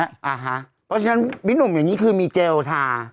เพราะฉะนั้นพี่หนุ่มอย่างนี้คือมีเจลทา